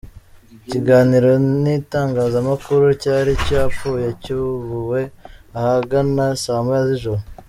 Ikiganiro n’itangazamakuru cyari cyapfubye cyubuwe ahagana saa moya z’ijoro.